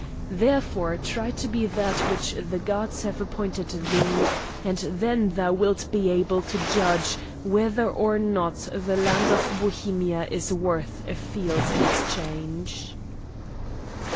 Therefore try to be that which the gods have appointed thee, and then thou wilt be able to judge whether or not the land of Bohemia is worth a field in exchange."